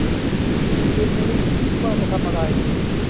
คืนนี้คิดว่าจะทำอะไร